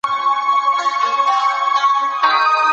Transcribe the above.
کله به حکومت بشري حقونه په رسمي ډول وڅیړي؟